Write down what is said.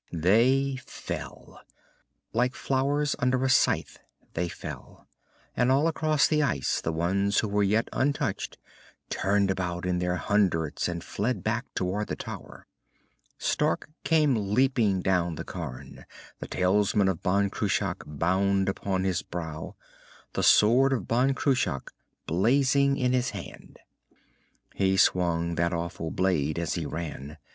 They fell. Like flowers under a scythe they fell, and all across the ice the ones who were yet untouched turned about in their hundreds and fled back toward the tower. Stark came leaping down the cairn, the talisman of Ban Cruach bound upon his brow, the sword of Ban Cruach blazing in his hand. He swung that awful blade as he ran.